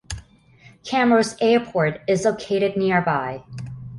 Camrose Airport is located nearby.